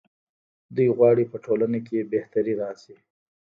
دوی غواړي په ټولنه کې بهتري راشي.